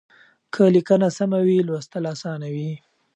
که ليکنه سمه وي لوستل اسانه وي.